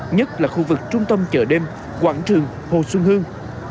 nhất là khu vực trung tâm chợ đêm quảng trường hồ xuân hương